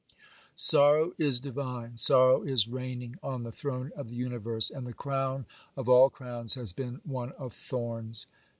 Sorrow is divine. Sorrow is reigning on the throne of the universe, and the crown of all crowns has been one of thorns.